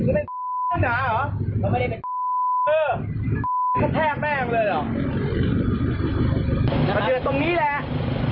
เราไม่ได้การแพร่งแบบนั้นเลยหรอแปลงแปลงเลยเหรอตรงนี้แหละ